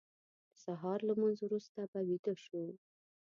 د سهار لمونځ وروسته به ویده شو.